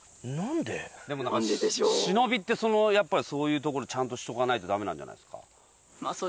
でもなんか忍ってやっぱりそういうところちゃんとしとかないとダメなんじゃないですか？